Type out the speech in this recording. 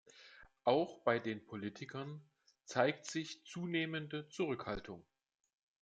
Auch bei den Politikern zeigt sich zunehmende Zurückhaltung.